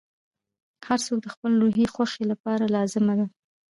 • هر څوک د خپل روحي خوښۍ لپاره لازمه ده.